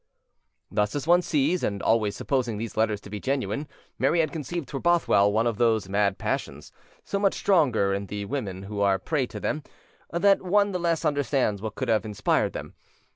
Thus, as one sees, and always supposing these letters to be genuine, Mary had conceived for Bothwell one of those mad passions, so much the stronger in the women who are a prey to them, that one the less understands what could have inspired them.